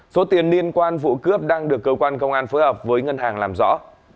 số tiền liên quan vụ cướp đang được cơ quan công an phối hợp với ngân hàng làm rõ